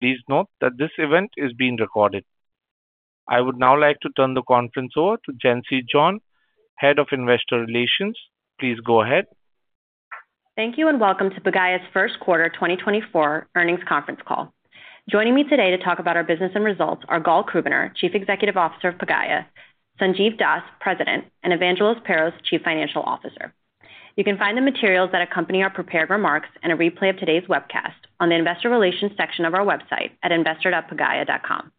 Please note that this event is being recorded. I would now like to turn the conference over to Jency John, Head of Investor Relations. Please go ahead. Thank you and welcome to Pagaya's first quarter 2024 earnings conference call. Joining me today to talk about our business and results are Gal Krubiner, Chief Executive Officer of Pagaya; Sanjiv Das, President; and Evangelos Perros, Chief Financial Officer. You can find the materials that accompany our prepared remarks and a replay of today's webcast on the Investor Relations section of our website at investor.pagaya.com.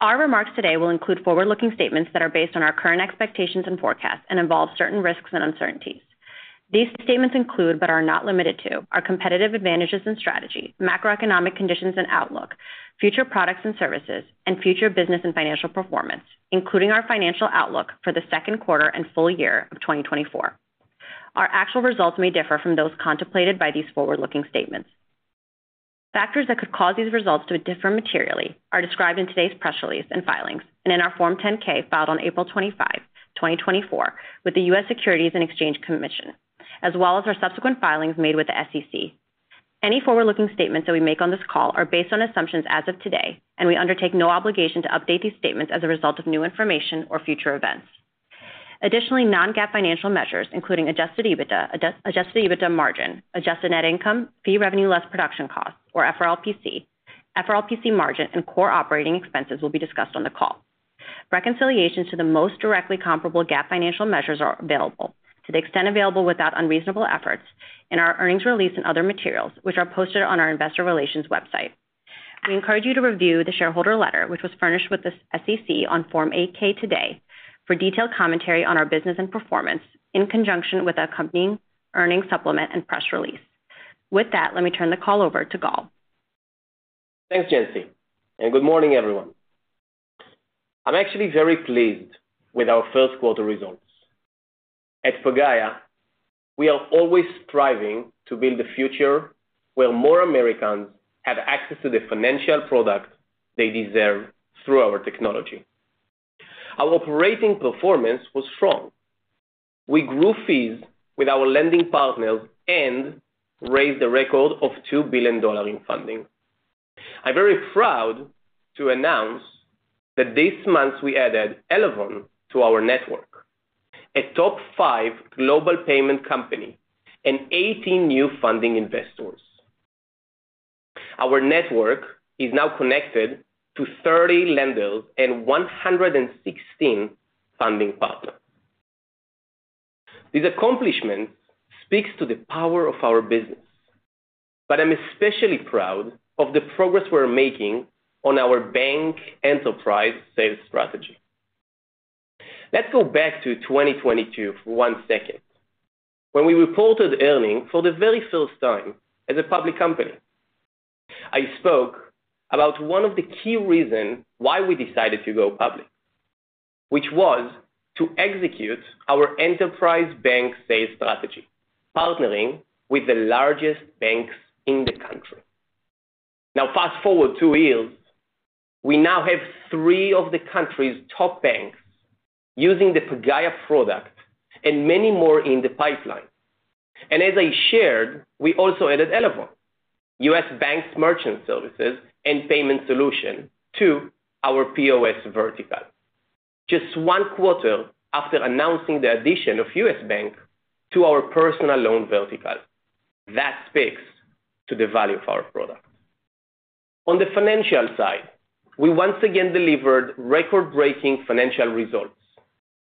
Our remarks today will include forward-looking statements that are based on our current expectations and forecasts and involve certain risks and uncertainties. These statements include but are not limited to our competitive advantages and strategy, macroeconomic conditions and outlook, future products and services, and future business and financial performance, including our financial outlook for the second quarter and full year of 2024. Our actual results may differ from those contemplated by these forward-looking statements. Factors that could cause these results to differ materially are described in today's press release and filings and in our Form 10-K filed on April 25, 2024, with the U.S. Securities and Exchange Commission, as well as our subsequent filings made with the SEC. Any forward-looking statements that we make on this call are based on assumptions as of today, and we undertake no obligation to update these statements as a result of new information or future events. Additionally, non-GAAP financial measures, including adjusted EBITDA, adjusted EBITDA margin, adjusted net income, fee revenue less production costs, or FRLPC, FRLPC margin, and core operating expenses, will be discussed on the call. Reconciliations to the most directly comparable GAAP financial measures are available, to the extent available without unreasonable efforts, in our earnings release and other materials, which are posted on our Investor Relations website. We encourage you to review the shareholder letter, which was furnished with the SEC on Form 8-K today, for detailed commentary on our business and performance in conjunction with the accompanying earnings supplement and press release. With that, let me turn the call over to Gal. Thanks, Jency, and good morning, everyone. I'm actually very pleased with our first quarter results. At Pagaya, we are always striving to build a future where more Americans have access to the financial product they deserve through our technology. Our operating performance was strong. We grew fees with our lending partners and raised a record of $2 billion in funding. I'm very proud to announce that this month we added Elavon to our network, a top five global payment company, and 18 new funding investors. Our network is now connected to 30 lenders and 116 funding partners. These accomplishments speak to the power of our business, but I'm especially proud of the progress we're making on our bank enterprise sales strategy. Let's go back to 2022 for one second, when we reported earnings for the very first time as a public company. I spoke about one of the key reasons why we decided to go public, which was to execute our enterprise bank sales strategy, partnering with the largest banks in the country. Now, fast forward two years, we now have three of the country's top banks using the Pagaya product and many more in the pipeline. And as I shared, we also added Elavon, U.S. Bank's merchant services and payment solution, to our POS vertical, just one quarter after announcing the addition of U.S. Bank to our personal loan vertical. That speaks to the value of our product. On the financial side, we once again delivered record-breaking financial results,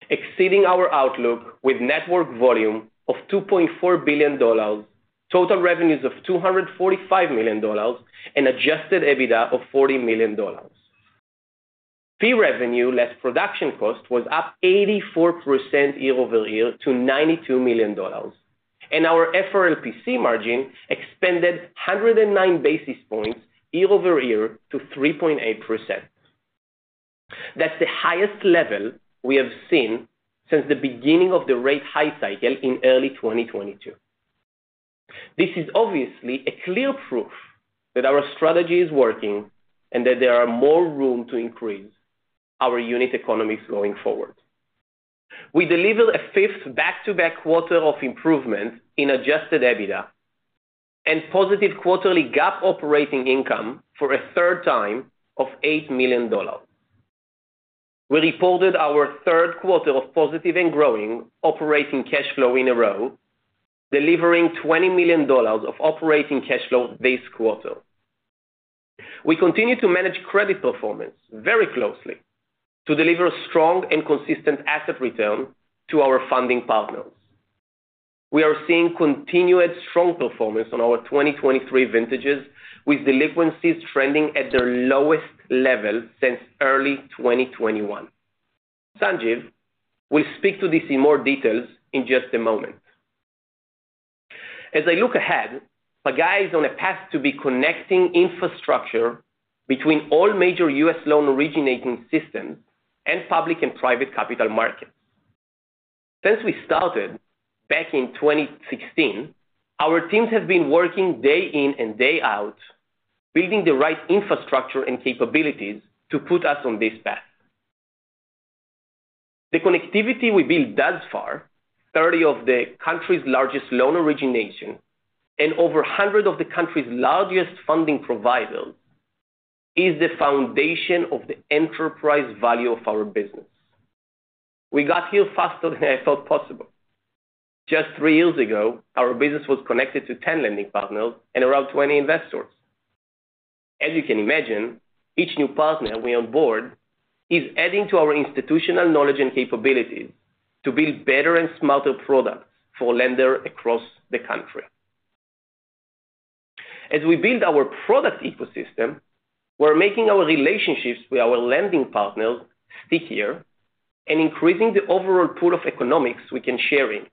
exceeding our outlook with network volume of $2.4 billion, total revenues of $245 million, and Adjusted EBITDA of $40 million. Fee revenue less production costs was up 84% year over year to $92 million, and our FRLPC margin expanded 109 basis points year over year to 3.8%. That's the highest level we have seen since the beginning of the rate-hike cycle in early 2022. This is obviously a clear proof that our strategy is working and that there is more room to increase our unit economics going forward. We delivered a fifth back-to-back quarter of improvements in adjusted EBITDA and positive quarterly GAAP operating income for a third time of $8 million. We reported our third quarter of positive and growing operating cash flow in a row, delivering $20 million of operating cash flow this quarter. We continue to manage credit performance very closely to deliver strong and consistent asset returns to our funding partners. We are seeing continued strong performance on our 2023 vintages, with delinquencies trending at their lowest level since early 2021. Sanjiv will speak to this in more detail in just a moment. As I look ahead, Pagaya is on a path to be connecting infrastructure between all major U.S. loan originating systems and public and private capital markets. Since we started back in 2016, our teams have been working day in and day out building the right infrastructure and capabilities to put us on this path. The connectivity we built thus far, 30 of the country's largest loan origination and over 100 of the country's largest funding providers, is the foundation of the enterprise value of our business. We got here faster than I thought possible. Just three years ago, our business was connected to 10 lending partners and around 20 investors. As you can imagine, each new partner we onboard is adding to our institutional knowledge and capabilities to build better and smarter products for lenders across the country. As we build our product ecosystem, we're making our relationships with our lending partners stickier and increasing the overall pool of economics we can share in.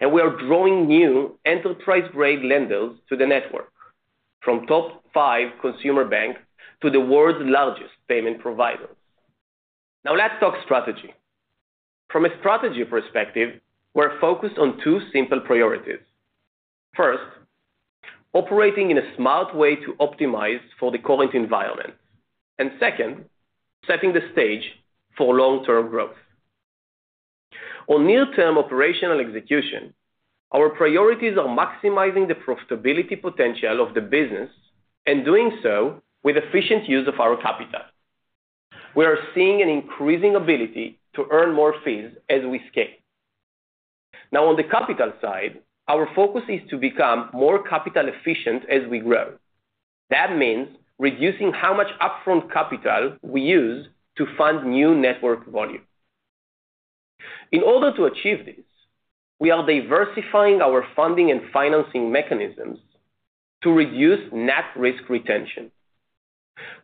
We are drawing new enterprise-grade lenders to the network, from top five consumer banks to the world's largest payment providers. Now, let's talk strategy. From a strategy perspective, we're focused on two simple priorities: first, operating in a smart way to optimize for the current environment, and second, setting the stage for long-term growth. On near-term operational execution, our priorities are maximizing the profitability potential of the business and doing so with efficient use of our capital. We are seeing an increasing ability to earn more fees as we scale. Now, on the capital side, our focus is to become more capital-efficient as we grow. That means reducing how much upfront capital we use to fund new network volume. In order to achieve this, we are diversifying our funding and financing mechanisms to reduce net risk retention.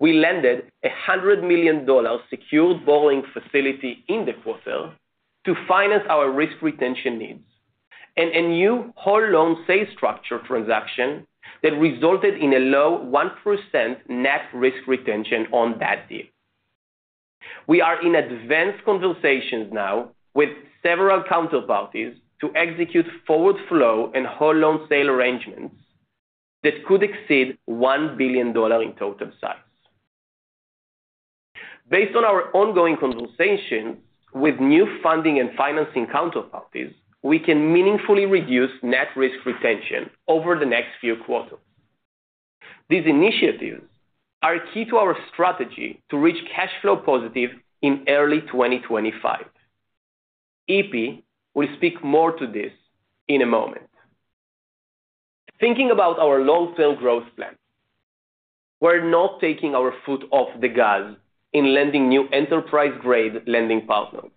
We landed a $100 million secured borrowing facility in the quarter to finance our risk retention needs and a new whole loan sale structure transaction that resulted in a low 1% net risk retention on that deal. We are in advanced conversations now with several counterparties to execute forward flow and whole loan sale arrangements that could exceed $1 billion in total size. Based on our ongoing conversations with new funding and financing counterparties, we can meaningfully reduce net risk retention over the next few quarters. These initiatives are key to our strategy to reach cash flow positive in early 2025. EP will speak more to this in a moment. Thinking about our long-term growth plan, we're not taking our foot off the gas in landing new enterprise-grade lending partners.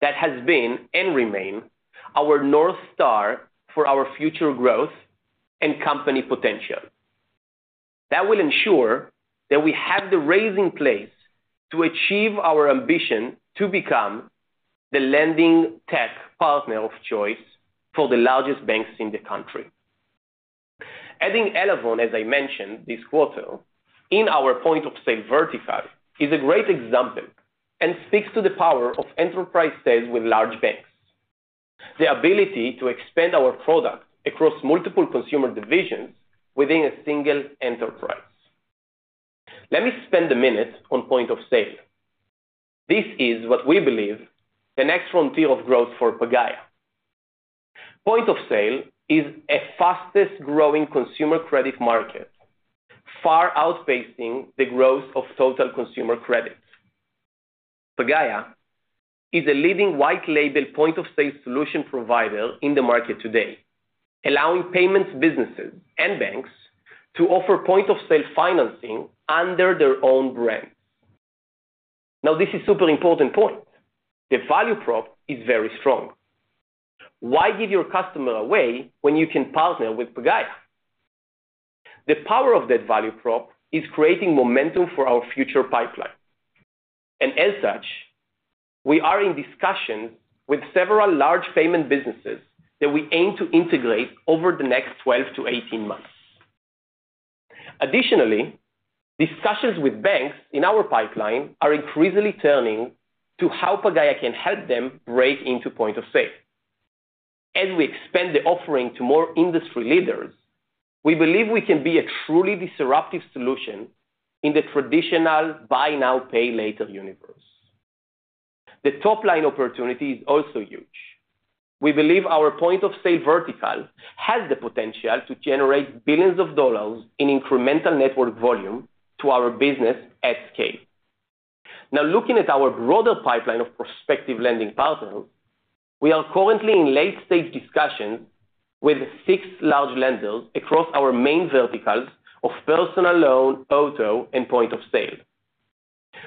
That has been and remains our North Star for our future growth and company potential. That will ensure that we have the right place to achieve our ambition to become the lending tech partner of choice for the largest banks in the country. Adding Elavon, as I mentioned this quarter, in our point of sale vertical is a great example and speaks to the power of enterprise sales with large banks, the ability to expand our product across multiple consumer divisions within a single enterprise. Let me spend a minute on point of sale. This is what we believe is the next frontier of growth for Pagaya. Point of sale is the fastest-growing consumer credit market, far outpacing the growth of total consumer credit. Pagaya is a leading white-label point of sale solution provider in the market today, allowing payments businesses and banks to offer point of sale financing under their own brand. Now, this is a super important point: the value prop is very strong. Why give your customer away when you can partner with Pagaya? The power of that value prop is creating momentum for our future pipeline. And as such, we are in discussions with several large payment businesses that we aim to integrate over the next 12 months to 18 months. Additionally, discussions with banks in our pipeline are increasingly turning to how Pagaya can help them break into point of sale. As we expand the offering to more industry leaders, we believe we can be a truly disruptive solution in the traditional buy-now-pay-later universe. The top-line opportunity is also huge. We believe our point of sale vertical has the potential to generate billions of dollars in incremental network volume to our business at scale. Now, looking at our broader pipeline of prospective lending partners, we are currently in late-stage discussions with six large lenders across our main verticals of personal loan, auto, and point of sale.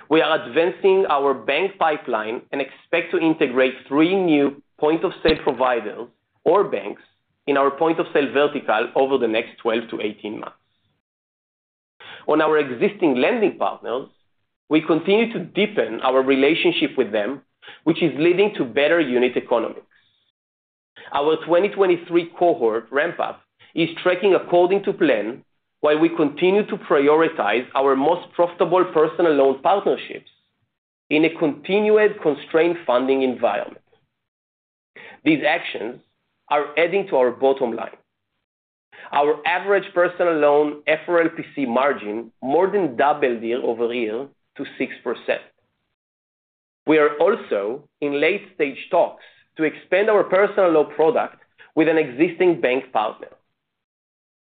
We are advancing our bank pipeline and expect to integrate three new point of sale providers or banks in our point of sale vertical over the next 12 to 18 months. On our existing lending partners, we continue to deepen our relationship with them, which is leading to better unit economics. Our 2023 cohort ramp-up is tracking according to plan while we continue to prioritize our most profitable personal loan partnerships in a continued constrained funding environment. These actions are adding to our bottom line. Our average personal loan FRLPC margin more than doubled year-over-year to 6%. We are also in late-stage talks to expand our personal loan product with an existing bank partner.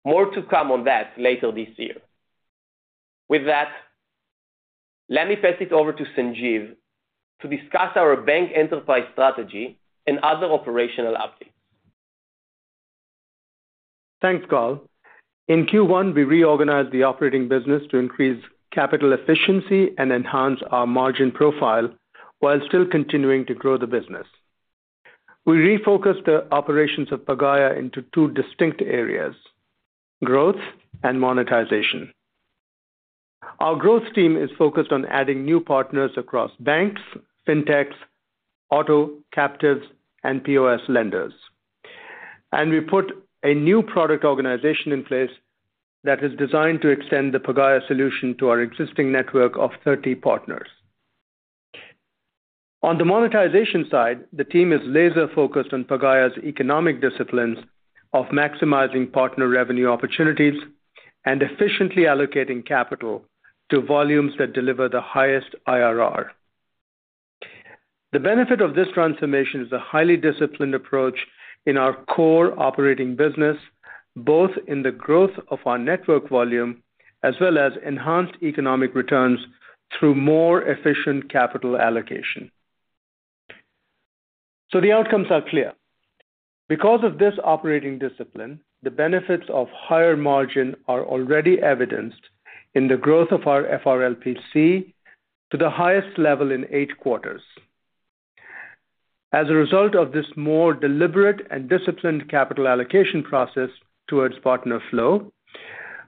More to come on that later this year. With that, let me pass it over to Sanjiv to discuss our bank enterprise strategy and other operational updates. Thanks, Gal. In Q1, we reorganized the operating business to increase capital efficiency and enhance our margin profile while still continuing to grow the business. We refocused the operations of Pagaya into two distinct areas: growth and monetization. Our growth team is focused on adding new partners across banks, FinTechs, auto, captives, and POS lenders. We put a new product organization in place that is designed to extend the Pagaya solution to our existing network of 30 partners. On the monetization side, the team is laser-focused on Pagaya's economic disciplines of maximizing partner revenue opportunities and efficiently allocating capital to volumes that deliver the highest IRR. The benefit of this transformation is a highly disciplined approach in our core operating business, both in the growth of our network volume as well as enhanced economic returns through more efficient capital allocation. The outcomes are clear. Because of this operating discipline, the benefits of higher margin are already evidenced in the growth of our FRLPC to the highest level in eight quarters. As a result of this more deliberate and disciplined capital allocation process towards partner flow,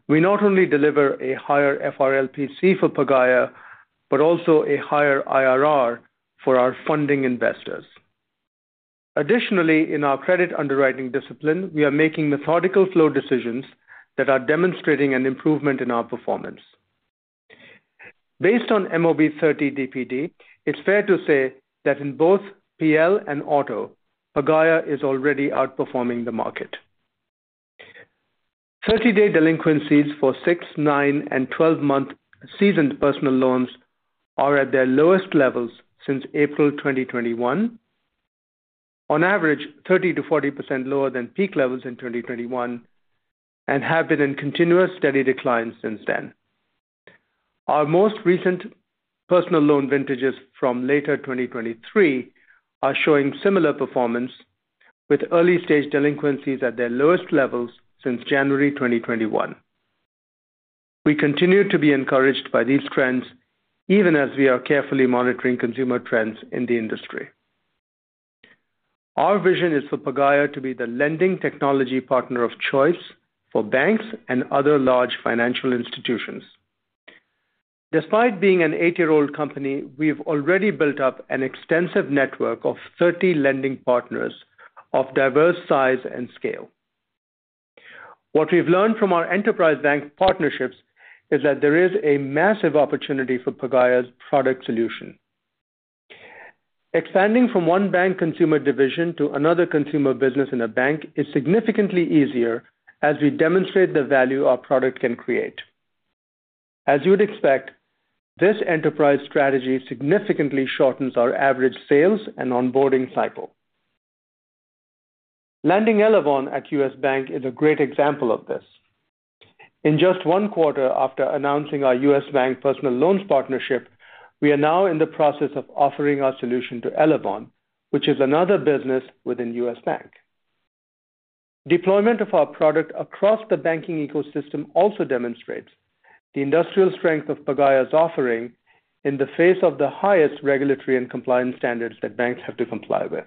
we not only deliver a higher FRLPC for Pagaya but also a higher IRR for our funding investors. Additionally, in our credit underwriting discipline, we are making methodical flow decisions that are demonstrating an improvement in our performance. Based on MOB 30 DPD, it's fair to say that in both PL and auto, Pagaya is already outperforming the market. 30-day delinquencies for six, nine, and 12-month seasoned personal loans are at their lowest levels since April 2021, on average 30%-40% lower than peak levels in 2021, and have been in continuous steady declines since then. Our most recent personal loan vintages from later 2023 are showing similar performance, with early-stage delinquencies at their lowest levels since January 2021. We continue to be encouraged by these trends, even as we are carefully monitoring consumer trends in the industry. Our vision is for Pagaya to be the lending technology partner of choice for banks and other large financial institutions. Despite being an eight-year-old company, we've already built up an extensive network of 30 lending partners of diverse size and scale. What we've learned from our enterprise bank partnerships is that there is a massive opportunity for Pagaya's product solution. Expanding from one bank consumer division to another consumer business in a bank is significantly easier as we demonstrate the value our product can create. As you'd expect, this enterprise strategy significantly shortens our average sales and onboarding cycle. Landing Elavon at U.S. Bank is a great example of this. In just one quarter after announcing our U.S. Bank personal loans partnership, we are now in the process of offering our solution to Elavon, which is another business within U.S. Bank. Deployment of our product across the banking ecosystem also demonstrates the industrial strength of Pagaya's offering in the face of the highest regulatory and compliance standards that banks have to comply with.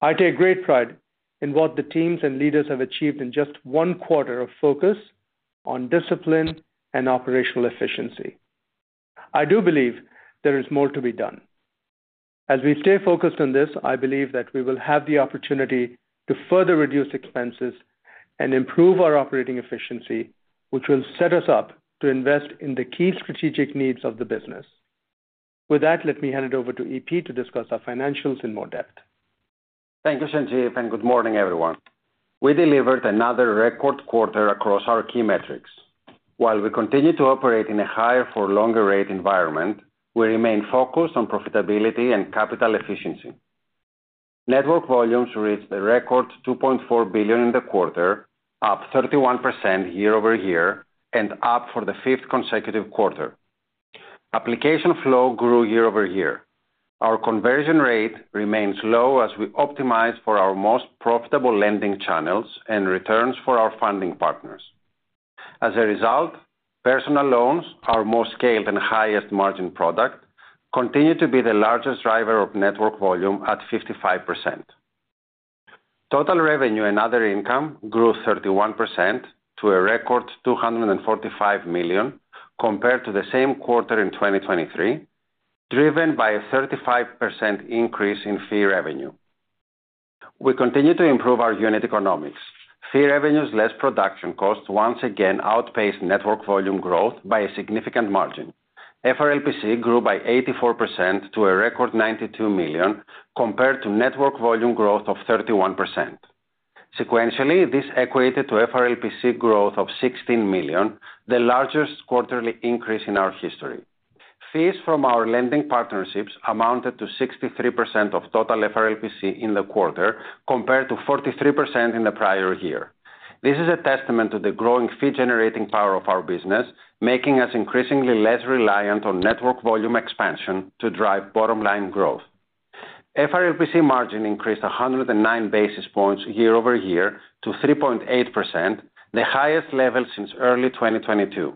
I take great pride in what the teams and leaders have achieved in just one quarter of focus on discipline and operational efficiency. I do believe there is more to be done. As we stay focused on this, I believe that we will have the opportunity to further reduce expenses and improve our operating efficiency, which will set us up to invest in the key strategic needs of the business. With that, let me hand it over to Evangelos to discuss our financials in more depth. Thank you, Sanjiv, and good morning, everyone. We delivered another record quarter across our key metrics. While we continue to operate in a higher-for-longer-rate environment, we remain focused on profitability and capital efficiency. Network volumes reached the record $2.4 billion in the quarter, up 31% year-over-year, and up for the fifth consecutive quarter. Application flow grew year-over-year. Our conversion rate remains low as we optimize for our most profitable lending channels and returns for our funding partners. As a result, personal loans, our most scaled and highest margin product, continue to be the largest driver of network volume at 55%. Total revenue and other income grew 31% to a record $245 million compared to the same quarter in 2023, driven by a 35% increase in fee revenue. We continue to improve our unit economics. Fee revenues less production costs once again outpaced network volume growth by a significant margin. FRLPC grew by 84% to a record $92 million compared to network volume growth of 31%. Sequentially, this equated to FRLPC growth of $16 million, the largest quarterly increase in our history. Fees from our lending partnerships amounted to 63% of total FRLPC in the quarter compared to 43% in the prior year. This is a testament to the growing fee-generating power of our business, making us increasingly less reliant on network volume expansion to drive bottom-line growth. FRLPC margin increased 109 basis points year-over-year to 3.8%, the highest level since early 2022.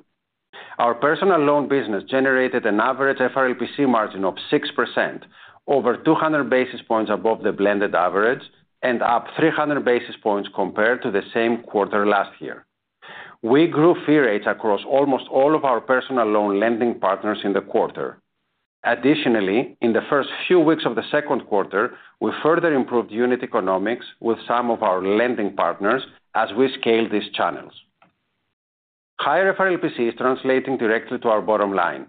Our personal loan business generated an average FRLPC margin of 6%, over 200 basis points above the blended average, and up 300 basis points compared to the same quarter last year. We grew fee rates across almost all of our personal loan lending partners in the quarter. Additionally, in the first few weeks of the second quarter, we further improved unit economics with some of our lending partners as we scaled these channels. Higher FRLPC is translating directly to our bottom line.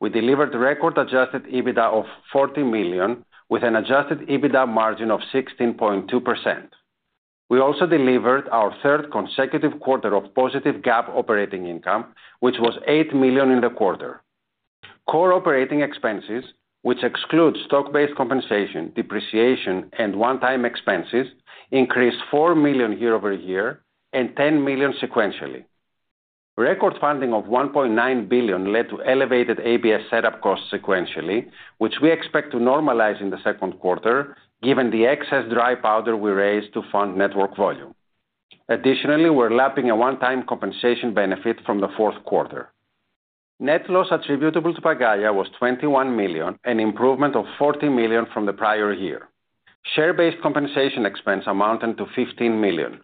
We delivered record adjusted EBITDA of $40 million with an adjusted EBITDA margin of 16.2%. We also delivered our third consecutive quarter of positive GAAP operating income, which was $8 million in the quarter. Core operating expenses, which exclude stock-based compensation, depreciation, and one-time expenses, increased $4 million year-over-year and $10 million sequentially. Record funding of $1.9 billion led to elevated ABS setup costs sequentially, which we expect to normalize in the second quarter given the excess dry powder we raised to fund network volume. Additionally, we're lapping a one-time compensation benefit from the fourth quarter. Net loss attributable to Pagaya was $21 million, an improvement of $40 million from the prior year. Share-based compensation expense amounted to $15 million.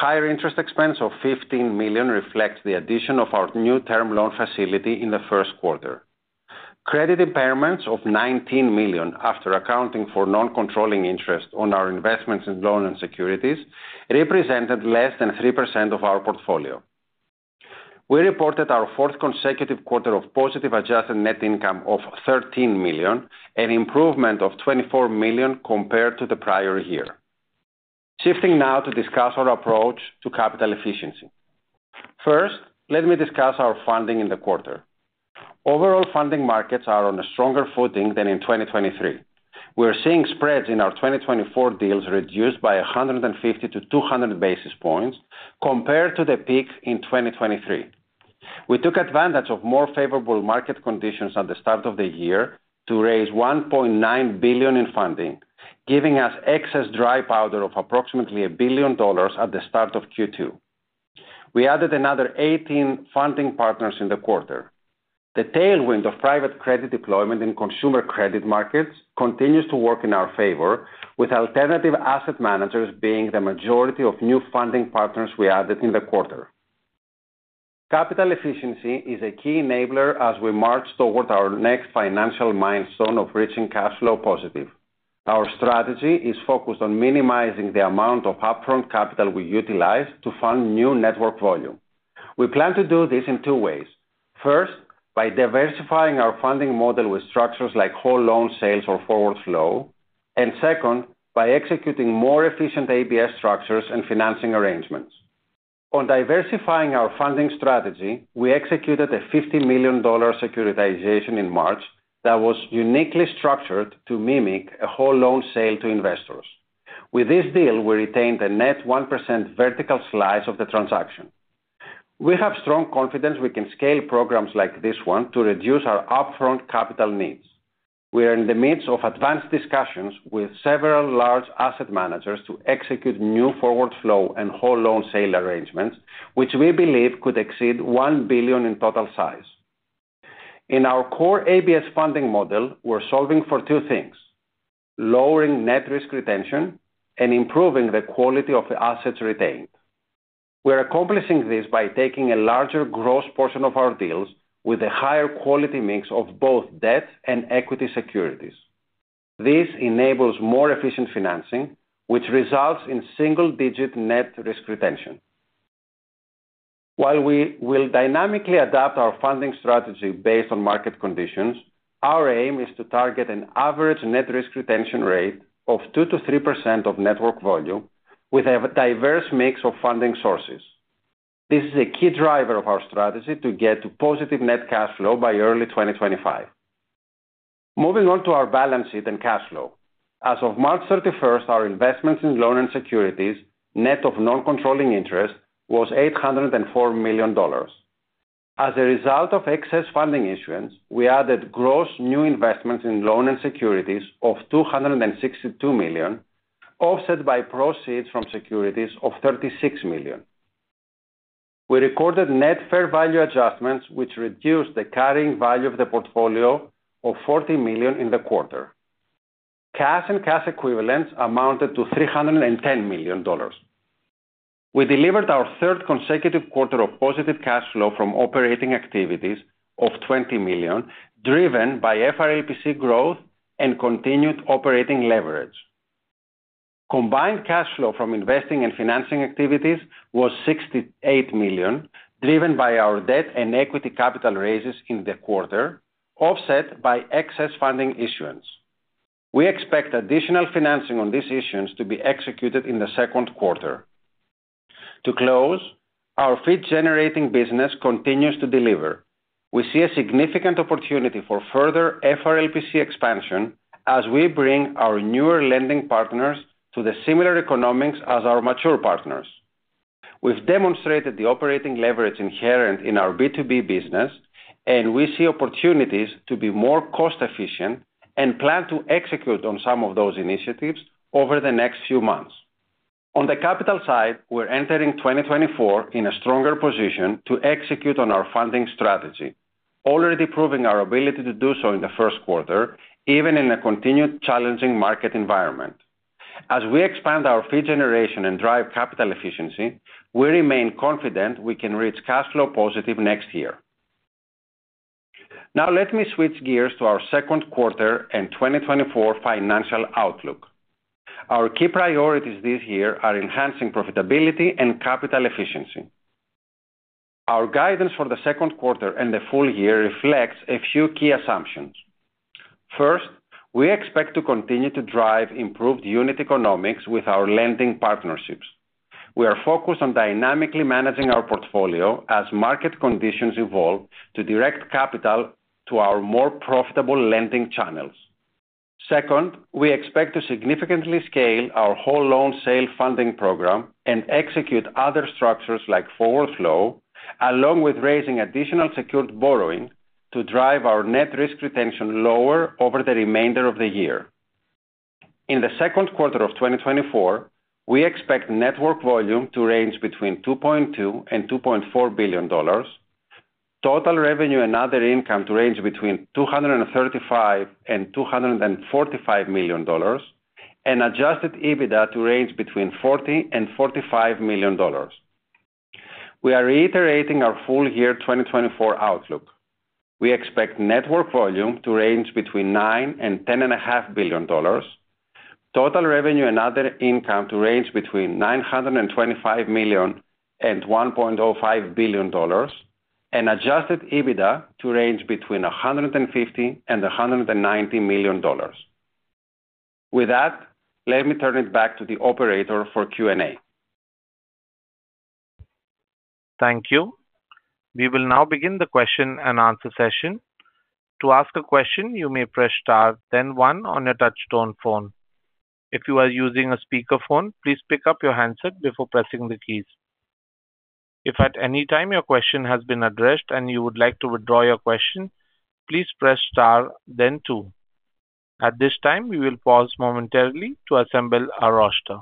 Higher interest expense of $15 million reflects the addition of our new term loan facility in the first quarter. Credit impairments of $19 million after accounting for non-controlling interest on our investments in loan and securities represented less than 3% of our portfolio. We reported our fourth consecutive quarter of positive adjusted net income of $13 million, an improvement of $24 million compared to the prior year. Shifting now to discuss our approach to capital efficiency. First, let me discuss our funding in the quarter. Overall funding markets are on a stronger footing than in 2023. We're seeing spreads in our 2024 deals reduced by 150-200 basis points compared to the peak in 2023. We took advantage of more favorable market conditions at the start of the year to raise $1.9 billion in funding, giving us excess dry powder of approximately $1 billion at the start of Q2. We added another 18 funding partners in the quarter. The tailwind of private credit deployment in consumer credit markets continues to work in our favor, with alternative asset managers being the majority of new funding partners we added in the quarter. Capital efficiency is a key enabler as we march toward our next financial milestone of reaching cash flow positive. Our strategy is focused on minimizing the amount of upfront capital we utilize to fund new network volume. We plan to do this in two ways: first, by diversifying our funding model with structures like whole loan sales or forward flow; and second, by executing more efficient ABS structures and financing arrangements. On diversifying our funding strategy, we executed a $50 million securitization in March that was uniquely structured to mimic a whole loan sale to investors. With this deal, we retained a net 1% vertical slice of the transaction. We have strong confidence we can scale programs like this one to reduce our upfront capital needs. We are in the midst of advanced discussions with several large asset managers to execute new forward flow and whole loan sale arrangements, which we believe could exceed $1 billion in total size. In our core ABS funding model, we're solving for two things: lowering net risk retention and improving the quality of the assets retained. We're accomplishing this by taking a larger gross portion of our deals with a higher quality mix of both debt and equity securities. This enables more efficient financing, which results in single-digit net risk retention. While we will dynamically adapt our funding strategy based on market conditions, our aim is to target an average net risk retention rate of 2%-3% of network volume with a diverse mix of funding sources. This is a key driver of our strategy to get to positive net cash flow by early 2025. Moving on to our balance sheet and cash flow. As of March 31st, our investments in loans and securities, net of non-controlling interest, was $804 million. As a result of excess funding issuance, we added gross new investments in loans and securities of $262 million, offset by proceeds from securities of $36 million. We recorded net fair value adjustments, which reduced the carrying value of the portfolio of $40 million in the quarter. Cash and cash equivalents amounted to $310 million. We delivered our third consecutive quarter of positive cash flow from operating activities of $20 million, driven by FRLPC growth and continued operating leverage. Combined cash flow from investing and financing activities was $68 million, driven by our debt and equity capital raises in the quarter, offset by excess funding issuance. We expect additional financing on these issuance to be executed in the second quarter. To close, our fee-generating business continues to deliver. We see a significant opportunity for further FRLPC expansion as we bring our newer lending partners to the similar economics as our mature partners. We've demonstrated the operating leverage inherent in our B2B business, and we see opportunities to be more cost-efficient and plan to execute on some of those initiatives over the next few months. On the capital side, we're entering 2024 in a stronger position to execute on our funding strategy, already proving our ability to do so in the first quarter, even in a continued challenging market environment. As we expand our fee generation and drive capital efficiency, we remain confident we can reach cash flow positive next year. Now, let me switch gears to our second quarter and 2024 financial outlook. Our key priorities this year are enhancing profitability and capital efficiency. Our guidance for the second quarter and the full year reflects a few key assumptions. First, we expect to continue to drive improved unit economics with our lending partnerships. We are focused on dynamically managing our portfolio as market conditions evolve to direct capital to our more profitable lending channels. Second, we expect to significantly scale our Whole Loan Sale funding program and execute other structures like Forward Flow, along with raising additional secured borrowing to drive our net risk retention lower over the remainder of the year. In the second quarter of 2024, we expect network volume to range between $2.2 billion and $2.4 billion, total revenue and other income to range between $235 million and $245 million, and adjusted EBITDA to range between $40 million and $45 million. We are reiterating our full year 2024 outlook. We expect network volume to range between $9 billion and $10.5 billion, total revenue and other income to range between $925 million and $1.05 billion, and adjusted EBITDA to range between $150 million and $190 million. With that, let me turn it back to the operator for Q&A. Thank you. We will now begin the question and answer session. To ask a question, you may press Star, then one, on your touchtone phone. If you are using a speakerphone, please pick up your handset before pressing the keys. If at any time your question has been addressed and you would like to withdraw your question, please press Star, then two. At this time, we will pause momentarily to assemble our roster.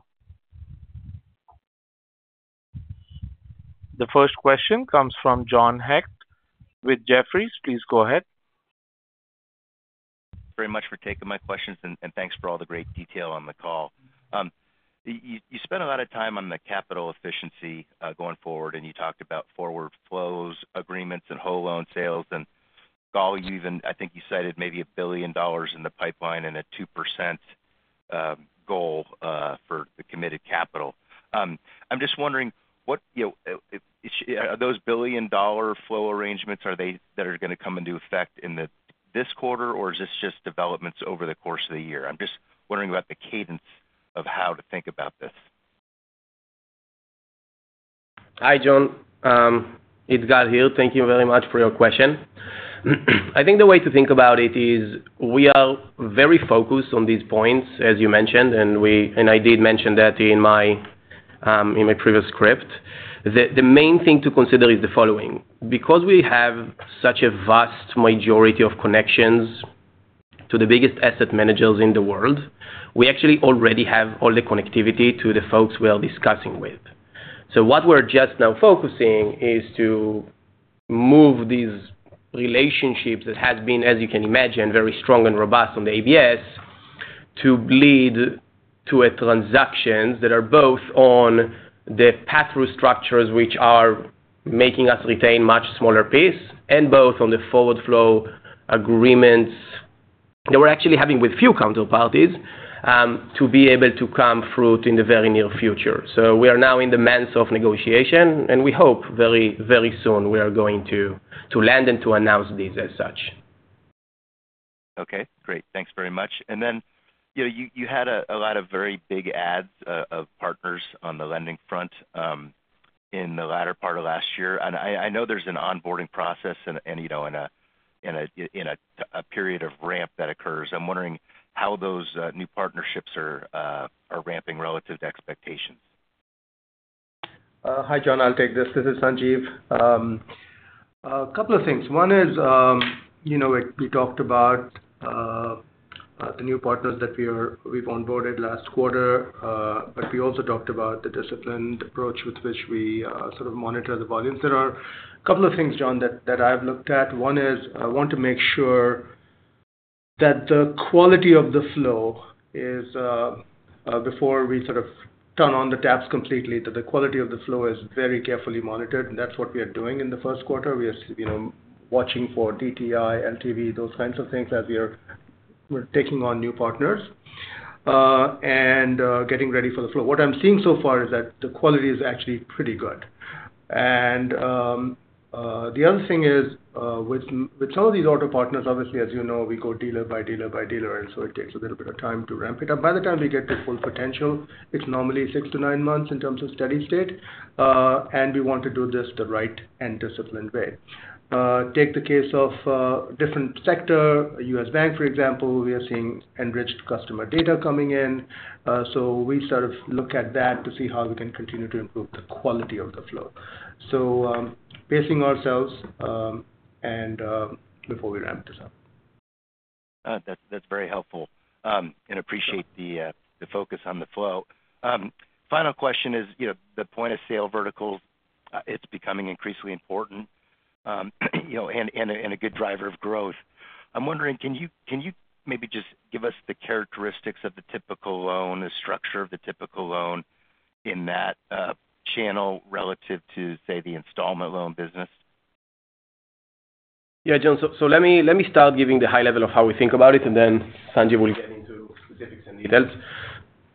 The first question comes from John Hecht with Jefferies. Please go ahead. Very much for taking my questions, and thanks for all the great detail on the call. You spent a lot of time on the capital efficiency going forward, and you talked about forward flow agreements and whole loan sales, and you even I think you cited maybe $1 billion in the pipeline and a 2% goal for the committed capital. I'm just wondering, are those $1 billion flow arrangements that are going to come into effect in this quarter, or is this just developments over the course of the year? I'm just wondering about the cadence of how to think about this. Hi, John. It got here. Thank you very much for your question. I think the way to think about it is we are very focused on these points, as you mentioned, and I did mention that in my previous script. The main thing to consider is the following: because we have such a vast majority of connections to the biggest asset managers in the world, we actually already have all the connectivity to the folks we are discussing with. So what we're just now focusing is to move these relationships that have been, as you can imagine, very strong and robust on the ABS to lead to transactions that are both on the pass-through structures which are making us retain much smaller piece and both on the forward flow agreements that we're actually having with few counterparties to be able to come through in the very near future. So we are now in the midst of negotiation, and we hope very, very soon we are going to land and to announce these as such. Okay. Great. Thanks very much. Then you had a lot of very big adds of partners on the lending front in the latter part of last year. I know there's an onboarding process and a period of ramp that occurs. I'm wondering how those new partnerships are ramping relative to expectations. Hi, John. I'll take this. This is Sanjiv. A couple of things. One is we talked about the new partners that we've onboarded last quarter, but we also talked about the disciplined approach with which we sort of monitor the volumes. There are a couple of things, John, that I've looked at. One is I want to make sure that the quality of the flow is before we sort of turn on the taps completely, that the quality of the flow is very carefully monitored. And that's what we are doing in the first quarter. We are watching for DTI, LTV, those kinds of things as we are taking on new partners and getting ready for the flow. What I'm seeing so far is that the quality is actually pretty good. The other thing is with some of these auto partners, obviously, as you know, we go dealer by dealer by dealer, and so it takes a little bit of time to ramp it up. By the time we get to full potential, it's normally 6 to 9 months in terms of steady state. We want to do this the right and disciplined way. Take the case of a different sector, U.S. Bank, for example. We are seeing enriched customer data coming in. So we sort of look at that to see how we can continue to improve the quality of the flow. So pacing ourselves and before we ramp this up. That's very helpful and appreciate the focus on the flow. Final question is the point of sale verticals, it's becoming increasingly important and a good driver of growth. I'm wondering, can you maybe just give us the characteristics of the typical loan, the structure of the typical loan in that channel relative to, say, the installment loan business? Yeah, John. So let me start giving the high level of how we think about it, and then Sanjiv will get into specifics and details.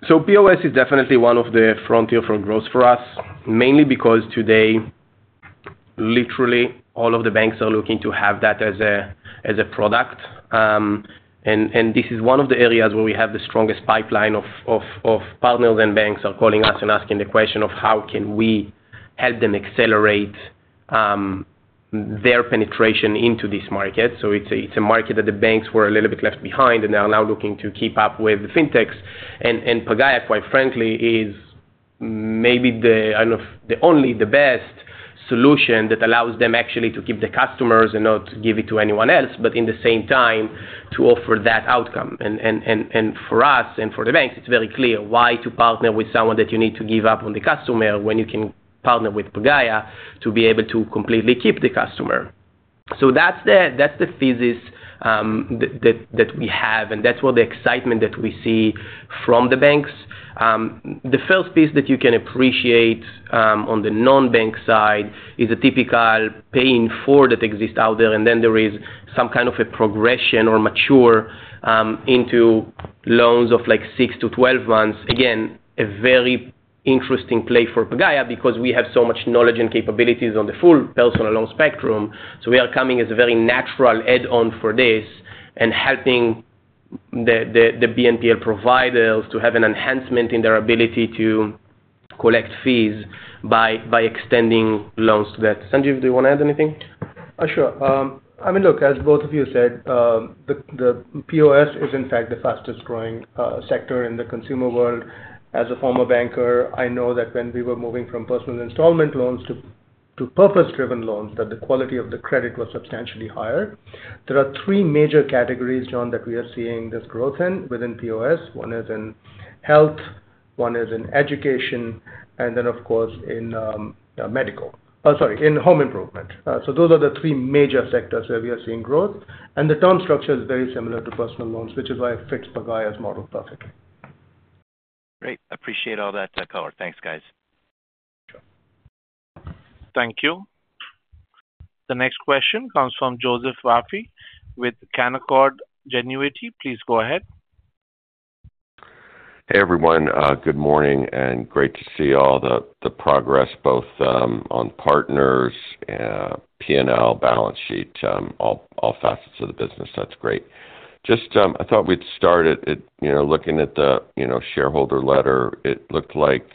So POS is definitely one of the frontier for growth for us, mainly because today, literally, all of the banks are looking to have that as a product. And this is one of the areas where we have the strongest pipeline of partners and banks are calling us and asking the question of how can we help them accelerate their penetration into this market. So it's a market that the banks were a little bit left behind, and they are now looking to keep up with the FinTechs. And Pagaya, quite frankly, is maybe the only, the best solution that allows them actually to keep the customers and not give it to anyone else, but in the same time, to offer that outcome. And for us and for the banks, it's very clear why to partner with someone that you need to give up on the customer when you can partner with Pagaya to be able to completely keep the customer. So that's the thesis that we have, and that's what the excitement that we see from the banks. The first piece that you can appreciate on the non-bank side is a typical pay-in-four that exists out there, and then there is some kind of a progression or maturation into loans of like 6 to 12 months. Again, a very interesting play for Pagaya because we have so much knowledge and capabilities on the full personal loan spectrum. So we are coming as a very natural add-on for this and helping the BNPL providers to have an enhancement in their ability to collect fees by extending loans to that. Sanjiv, do you want to add anything? Sure. I mean, look, as both of you said, the POS is, in fact, the fastest growing sector in the consumer world. As a former banker, I know that when we were moving from personal installment loans to purpose-driven loans, that the quality of the credit was substantially higher. There are three major categories, John, that we are seeing this growth in within POS. One is in health, one is in education, and then, of course, in medical sorry, in home improvement. So those are the three major sectors where we are seeing growth. The term structure is very similar to personal loans, which is why it fits Pagaya's model perfectly. Great. Appreciate all that color. Thanks, guys. Sure. Thank you. The next question comes from Joseph Vafi with Canaccord Genuity. Please go ahead. Hey, everyone. Good morning and great to see all the progress both on partners, P&L, balance sheet, all facets of the business. That's great. Just I thought we'd start at looking at the shareholder letter. It looked like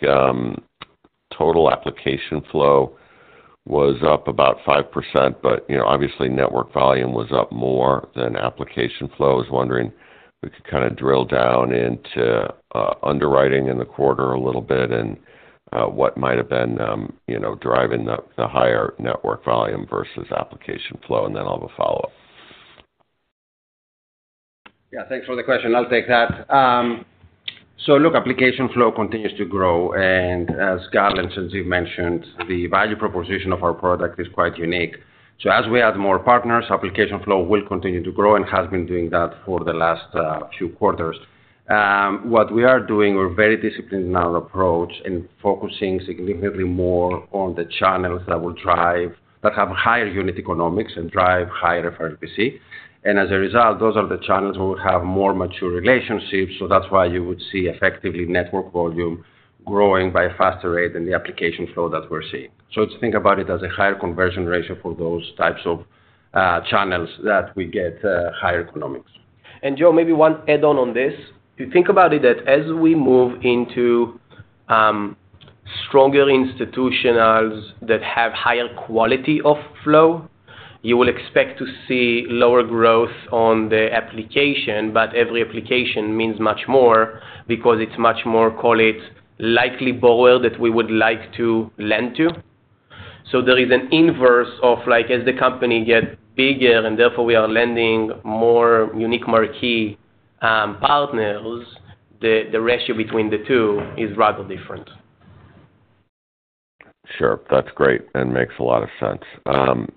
total application flow was up about 5%, but obviously, network volume was up more than application flow. I was wondering if we could kind of drill down into underwriting in the quarter a little bit and what might have been driving the higher network volume versus application flow, and then I'll have a follow-up. Yeah. Thanks for the question. I'll take that. So look, application flow continues to grow. And as Gal and Sanjiv mentioned, the value proposition of our product is quite unique. So as we add more partners, application flow will continue to grow and has been doing that for the last few quarters. What we are doing, we're very disciplined in our approach and focusing significantly more on the channels that have higher unit economics and drive higher FRLPC. And as a result, those are the channels where we have more mature relationships. So that's why you would see effectively network volume growing by a faster rate than the application flow that we're seeing. So it's to think about it as a higher conversion ratio for those types of channels that we get higher economics. And Joe, maybe one add-on on this. You think about it that as we move into stronger institutions that have higher quality of flow, you will expect to see lower growth on the application, but every application means much more because it's much more, call it, likely borrower that we would like to lend to. So there is an inverse of as the company gets bigger and therefore we are lending more unique marquee partners, the ratio between the two is rather different. Sure. That's great and makes a lot of sense.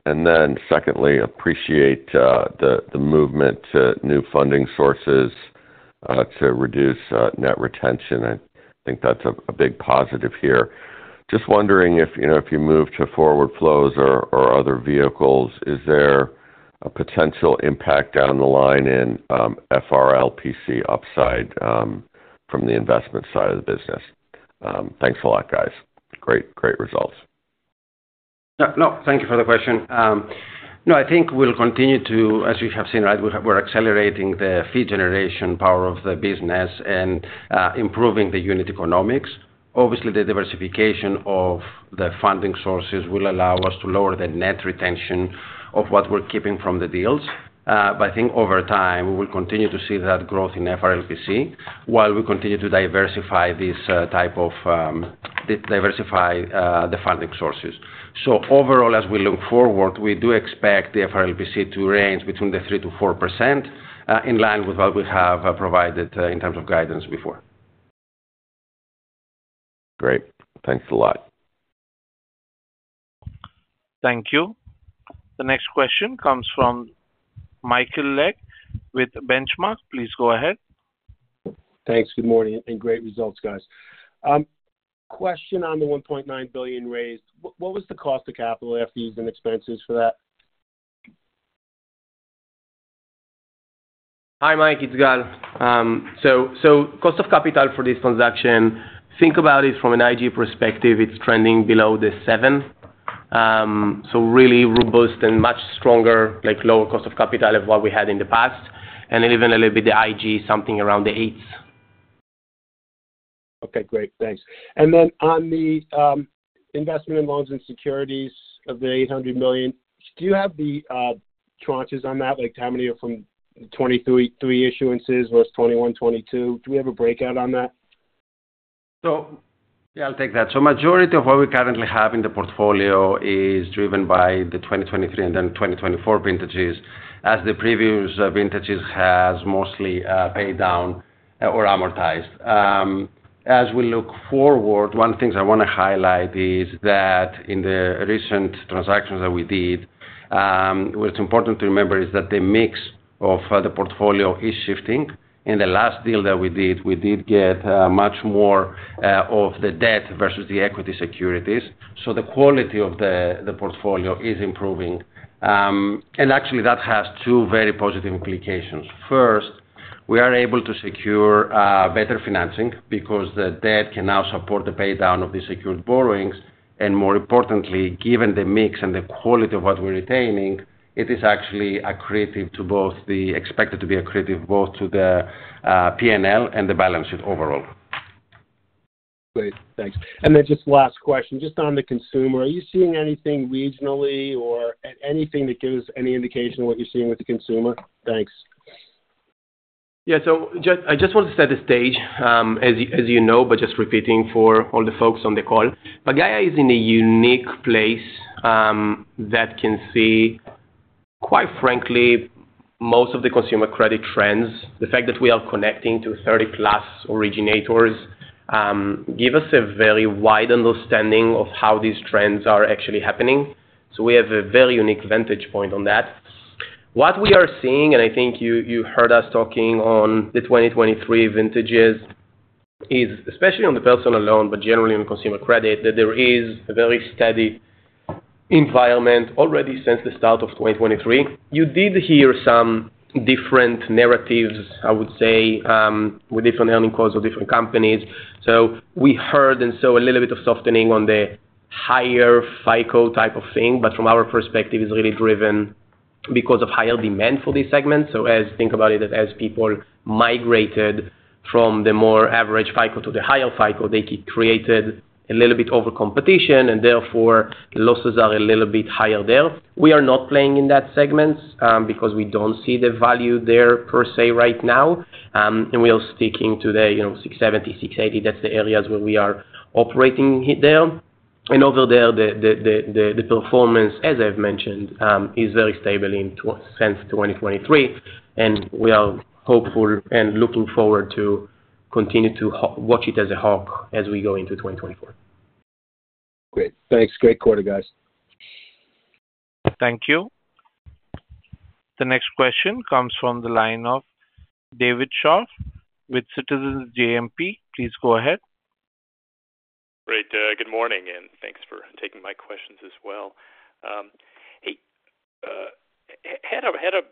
And then secondly, appreciate the movement to new funding sources to reduce net retention. I think that's a big positive here. Just wondering if you move to forward flows or other vehicles, is there a potential impact down the line in FRLPC upside from the investment side of the business? Thanks a lot, guys. Great, great results. No, thank you for the question. No, I think we'll continue to as we have seen, right? We're accelerating the fee generation power of the business and improving the unit economics. Obviously, the diversification of the funding sources will allow us to lower the net retention of what we're keeping from the deals. But I think over time, we will continue to see that growth in FRLPC while we continue to diversify this type of diversify the funding sources. So overall, as we look forward, we do expect the FRLPC to range between 3%-4% in line with what we have provided in terms of guidance before. Great. Thanks a lot. Thank you. The next question comes from Michael Legg with Benchmark. Please go ahead. Thanks. Good morning and great results, guys. Question on the $1.9 billion raised. What was the cost of capital after use and expenses for that? Hi, Mike. It's Gal. So, cost of capital for this transaction, think about it from an IG perspective, it's trending below 7%. So really robust and much stronger, lower cost of capital than what we had in the past, and even a little bit the IG, something around the 8s. Okay. Great. Thanks. And then on the investment in loans and securities of the $800 million, do you have the tranches on that? How many are from the 2023 issuances versus 2021, 2022? Do we have a breakout on that? So yeah, I'll take that. So majority of what we currently have in the portfolio is driven by the 2023 and then 2024 vintages as the previous vintages has mostly paid down or amortized. As we look forward, one of the things I want to highlight is that in the recent transactions that we did, what's important to remember is that the mix of the portfolio is shifting. In the last deal that we did, we did get much more of the debt versus the equity securities. So the quality of the portfolio is improving. And actually, that has two very positive implications. First, we are able to secure better financing because the debt can now support the paydown of the secured borrowings. And more importantly, given the mix and the quality of what we're retaining, it is actually expected to be accretive both to the P&L and the balance sheet overall. Great. Thanks. And then just last question, just on the consumer, are you seeing anything regionally or anything that gives any indication of what you're seeing with the consumer? Thanks. Yeah. So I just want to set the stage, as you know, but just repeating for all the folks on the call. Pagaya is in a unique place that can see, quite frankly, most of the consumer credit trends. The fact that we are connecting to 30+ originators gives us a very wide understanding of how these trends are actually happening. So we have a very unique vantage point on that. What we are seeing, and I think you heard us talking on the 2023 vintages, is especially on the personal loan, but generally on consumer credit, that there is a very steady environment already since the start of 2023. You did hear some different narratives, I would say, with different earnings calls of different companies. So we heard and saw a little bit of softening on the higher FICO type of thing, but from our perspective, it's really driven because of higher demand for these segments. So think about it that as people migrated from the more average FICO to the higher FICO, they created a little bit over competition, and therefore, losses are a little bit higher there. We are not playing in that segments because we don't see the value there per se right now. And we are sticking to the 670, 680. That's the areas where we are operating there. And over there, the performance, as I've mentioned, is very stable since 2023. And we are hopeful and looking forward to continue to watch it as a hawk as we go into 2024. Great. Thanks. Great quarter, guys. Thank you. The next question comes from the line of David Scharf with Citizens JMP. Please go ahead. Great. Good morning and thanks for taking my questions as well. Hey, had a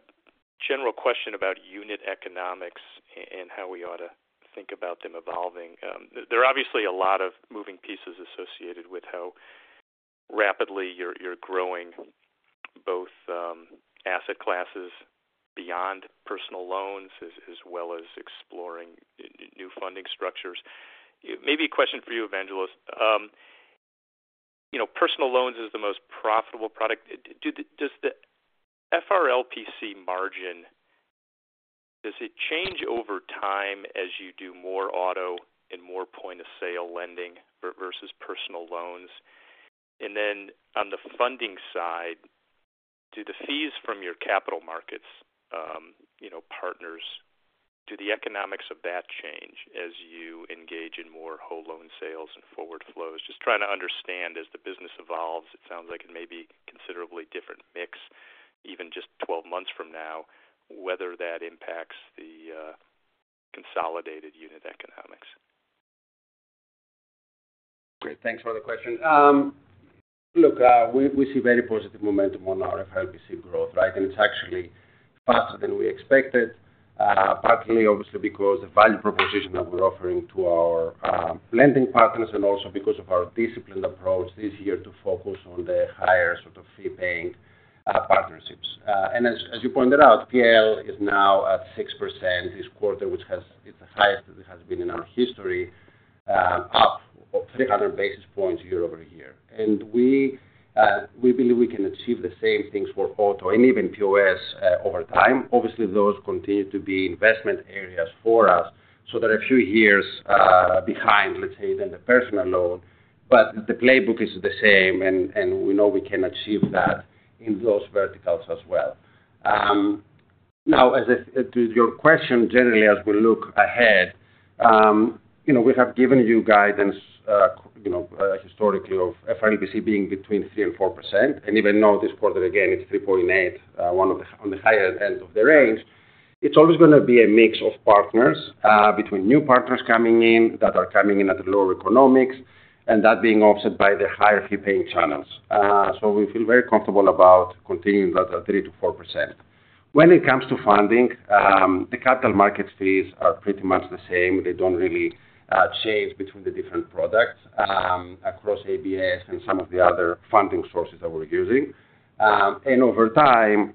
general question about unit economics and how we ought to think about them evolving. There are obviously a lot of moving pieces associated with how rapidly you're growing both asset classes beyond personal loans as well as exploring new funding structures. Maybe a question for you, Evangelos. Personal loans is the most profitable product. Does the FRLPC margin, does it change over time as you do more auto and more point-of-sale lending versus personal loans? And then on the funding side, do the fees from your capital markets partners, do the economics of that change as you engage in more whole loan sales and forward flows? Just trying to understand as the business evolves, it sounds like it may be considerably different mix, even just 12 months from now, whether that impacts the consolidated unit economics. Great. Thanks for the question. Look, we see very positive momentum on our FRLPC growth, right? And it's actually faster than we expected, partly, obviously, because of the value proposition that we're offering to our lending partners and also because of our disciplined approach this year to focus on the higher sort of fee-paying partnerships. And as you pointed out, personal loan is now at 6% this quarter, which is the highest that it has been in our history, up 300 basis points year-over-year. And we believe we can achieve the same things for auto and even POS over time. Obviously, those continue to be investment areas for us. So there are a few years behind, let's say, than the personal loan, but the playbook is the same, and we know we can achieve that in those verticals as well. Now, to your question, generally, as we look ahead, we have given you guidance historically of FRLPC being between 3% and 4%. Even now this quarter, again, it's 3.8%, on the higher end of the range. It's always going to be a mix of partners, between new partners coming in that are coming in at lower economics and that being offset by the higher fee-paying channels. We feel very comfortable about continuing that at 3%-4%. When it comes to funding, the capital markets fees are pretty much the same. They don't really change between the different products across ABS and some of the other funding sources that we're using. Over time,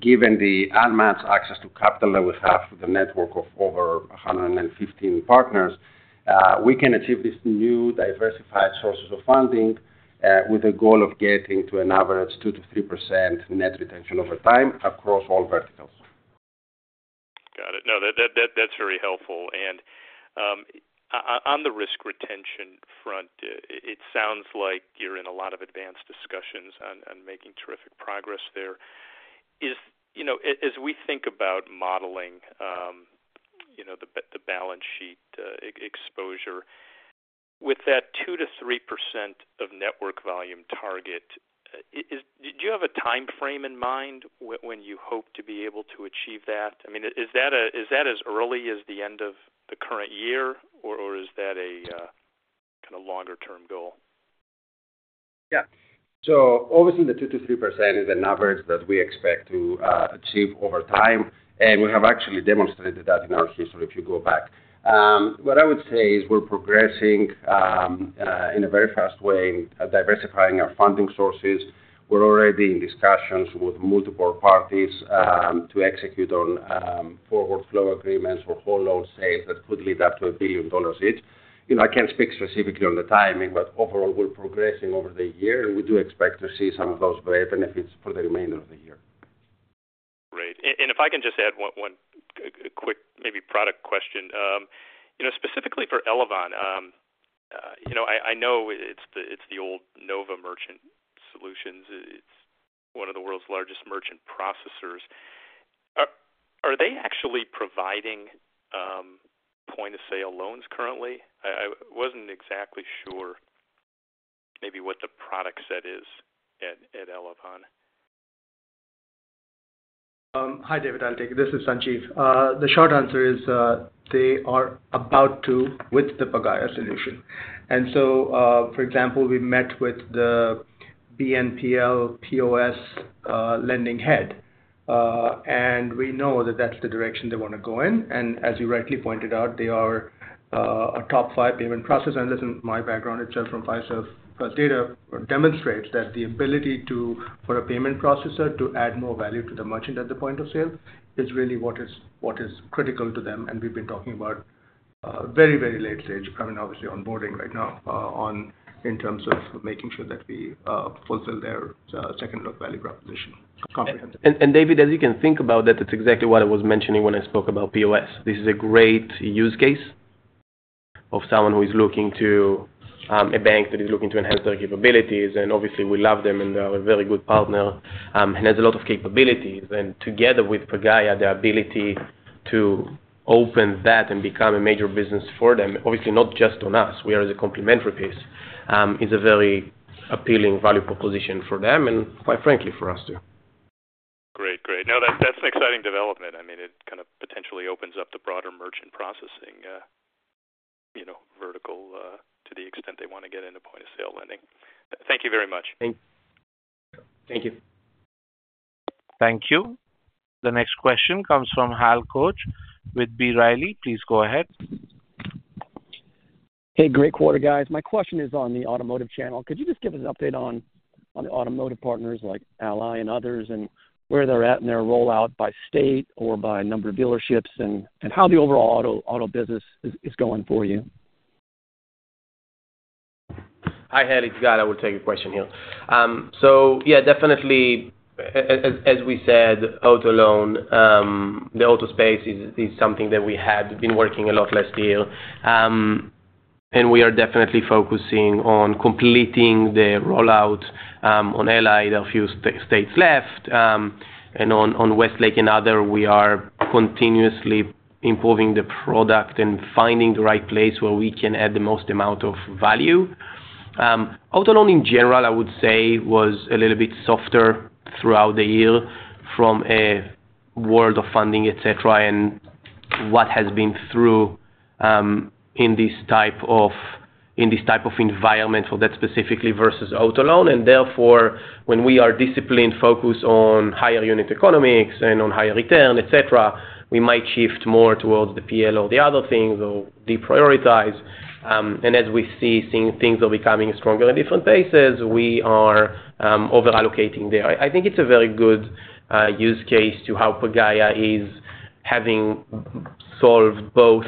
given the unmatched access to capital that we have through the network of over 115 partners, we can achieve these new diversified sources of funding with the goal of getting to an average 2%-3% net retention over time across all verticals. Got it. No, that's very helpful. And on the risk retention front, it sounds like you're in a lot of advanced discussions on making terrific progress there. As we think about modeling the balance sheet exposure, with that 2%-3% of network volume target, do you have a timeframe in mind when you hope to be able to achieve that? I mean, is that as early as the end of the current year, or is that a kind of longer-term goal? Yeah. So obviously, the 2%-3% is an average that we expect to achieve over time. We have actually demonstrated that in our history if you go back. What I would say is we're progressing in a very fast way in diversifying our funding sources. We're already in discussions with multiple parties to execute on forward flow agreements or whole loan sales that could lead up to $1 billion each. I can't speak specifically on the timing, but overall, we're progressing over the year, and we do expect to see some of those benefits for the remainder of the year. Great. And if I can just add one quick, maybe, product question. Specifically for Elavon, I know it's the old Nova Merchant Solutions. It's one of the world's largest merchant processors. Are they actually providing point-of-sale loans currently? I wasn't exactly sure maybe what the product set is at Elavon. Hi, David. I'll take it. This is Sanjiv. The short answer is they are about to with the Pagaya Solution. And so, for example, we met with the BNPL POS lending head, and we know that that's the direction they want to go in. And as you rightly pointed out, they are a top five payment processor. And listen, my background itself from Fiserv, First Data demonstrates that the ability for a payment processor to add more value to the merchant at the point of sale is really what is critical to them. And we've been talking about very, very late stage. I mean, obviously, onboarding right now in terms of making sure that we fulfill their second-look value proposition comprehensively. And David, as you can think about that, that's exactly what I was mentioning when I spoke about POS. This is a great use case of someone who is looking to a bank that is looking to enhance their capabilities. And obviously, we love them, and they are a very good partner and has a lot of capabilities. And together with Pagaya, the ability to open that and become a major business for them, obviously, not just on us, we are as a complementary piece, is a very appealing value proposition for them and, quite frankly, for us too. Great. Great. No, that's an exciting development. I mean, it kind of potentially opens up the broader merchant processing vertical to the extent they want to get into point-of-sale lending. Thank you very much. Thank you. Thank you. Thank you. The next question comes from Hal Goetsch with B. Riley. Please go ahead. Hey, great quarter, guys. My question is on the automotive channel. Could you just give us an update on the automotive partners like Ally and others and where they're at in their rollout by state or by number of dealerships and how the overall auto business is going for you? Hi, Hal. It's Gal. I will take your question here. So yeah, definitely, as we said, auto loan, the auto space is something that we had been working a lot last year. And we are definitely focusing on completing the rollout on Ally. There are a few states left. And on Westlake and other, we are continuously improving the product and finding the right place where we can add the most amount of value. Auto loan, in general, I would say, was a little bit softer throughout the year from a world of funding, etc., and what has been through in this type of environment for that specifically versus auto loan. And therefore, when we are disciplined, focused on higher unit economics and on higher return, etc., we might shift more towards the PL or the other things or deprioritize. As we see things are becoming stronger at different paces, we are overallocating there. I think it's a very good use case to how Pagaya is having solved both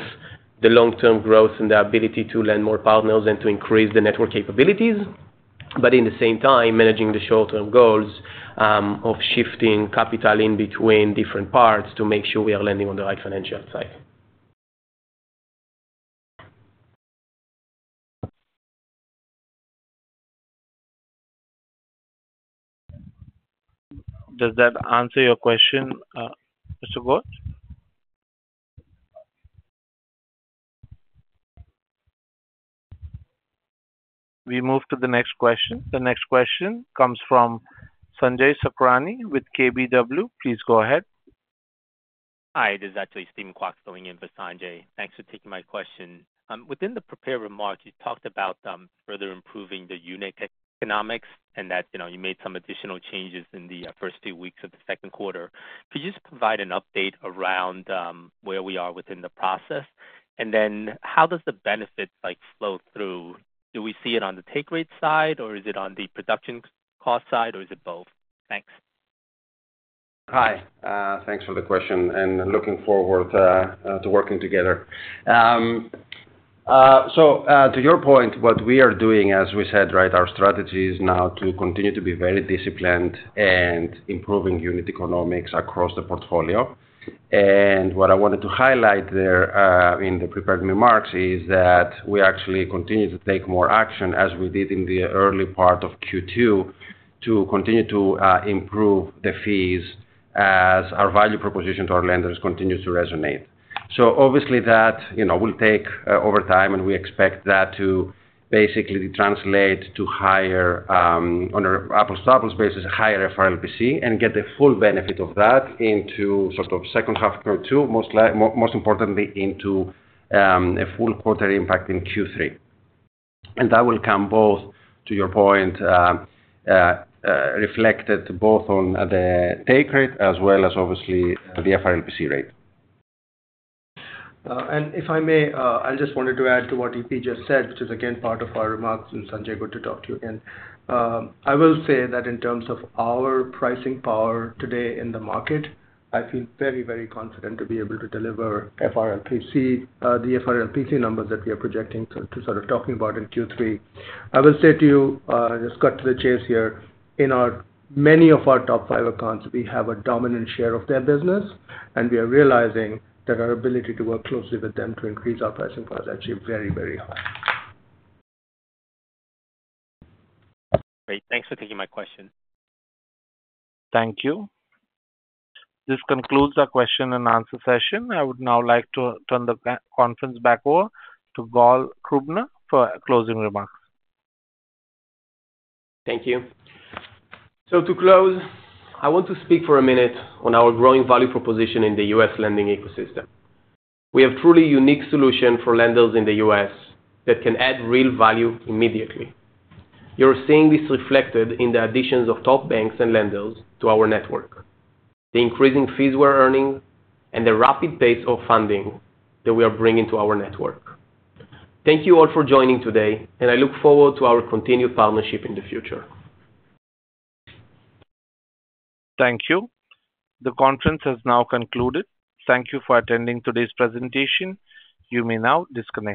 the long-term growth and the ability to lend more partners and to increase the network capabilities, but in the same time, managing the short-term goals of shifting capital in between different parts to make sure we are lending on the right financial side. Does that answer your question, Mr. Hal? We move to the next question. The next question comes from Sanjay Sakhrani with KBW. Please go ahead. Hi. This is actually Steven Kwok going in for Sanjay. Thanks for taking my question. Within the prepared remarks, you talked about further improving the unit economics and that you made some additional changes in the first few weeks of the second quarter. Could you just provide an update around where we are within the process? And then how does the benefit flow through? Do we see it on the take-rate side, or is it on the production cost side, or is it both? Thanks. Hi. Thanks for the question. Looking forward to working together. To your point, what we are doing, as we said, right, our strategy is now to continue to be very disciplined and improving unit economics across the portfolio. What I wanted to highlight there in the prepared remarks is that we actually continue to take more action as we did in the early part of Q2 to continue to improve the fees as our value proposition to our lenders continues to resonate. Obviously, that will take over time, and we expect that to basically translate to higher on an apples-to-apples basis, higher FRLPC and get the full benefit of that into sort of second half Q2, most importantly, into a full quarter impact in Q3. That will come both, to your point, reflected both on the take-rate as well as, obviously, the FRLPC rate. And if I may, I just wanted to add to what EP just said, which is, again, part of our remarks, and Sanjay, good to talk to you again. I will say that in terms of our pricing power today in the market, I feel very, very confident to be able to deliver FRLPC, the FRLPC numbers that we are projecting to sort of talking about in Q3. I will say to you, just cut to the chase here, in many of our top five accounts, we have a dominant share of their business, and we are realizing that our ability to work closely with them to increase our pricing power is actually very, very high. Great. Thanks for taking my question. Thank you. This concludes our question and answer session. I would now like to turn the conference back over to Gal Krubiner for closing remarks. Thank you. So to close, I want to speak for a minute on our growing value proposition in the U.S. lending ecosystem. We have a truly unique solution for lenders in the U.S. that can add real value immediately. You're seeing this reflected in the additions of top banks and lenders to our network, the increasing fees we're earning, and the rapid pace of funding that we are bringing to our network. Thank you all for joining today, and I look forward to our continued partnership in the future. Thank you. The conference has now concluded. Thank you for attending today's presentation. You may now disconnect.